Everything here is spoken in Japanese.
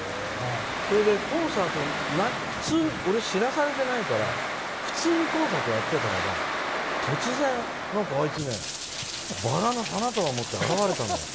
それで俺、知らされていないから普通にコンサートやってたらば突然、あいつバラの花束持って現れたのよ。